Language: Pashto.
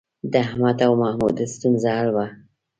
د احمد او محمود ستونزه حل وه.